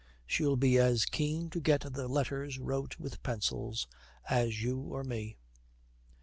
She'll be as keen to get the letters wrote with pencils as you or me.'